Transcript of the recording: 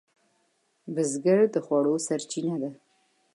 بزګر د خوړو سرچینه ده